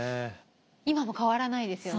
今も変わらないですよね。